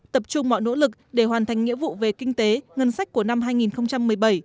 tập trung mọi nỗ lực để hoàn thành nghĩa vụ về kinh tế ngân sách của năm hai nghìn một mươi bảy